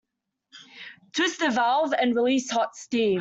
Twist the valve and release hot steam.